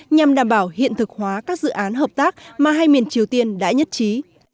nhằm đảm bảo hiện thực hóa các dự án hợp tác mà hai miền triều tiên đã nhất trí